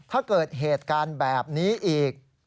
ถ้าเกิดเหตุการณ์แบบนี้อีก